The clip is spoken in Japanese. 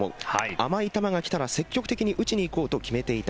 甘い球が来たら積極的に打っていこうと決めていた。